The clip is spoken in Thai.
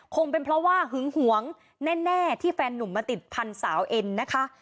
คงเป็นเพราะว่าหึงหวงแน่ที่แฟนหนุ่มมาติดพันธุ์สาวเอ็นนะคะ